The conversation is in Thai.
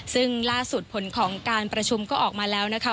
ซึ่งล่าสุดผลของการประชุมก็ออกมาแล้วนะคะ